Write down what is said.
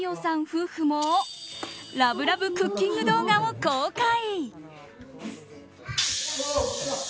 夫婦もラブラブクッキング動画を公開。